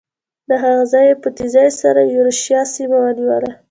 له هغه ځایه یې په تېزۍ سره یورشیا سیمه ونیوله.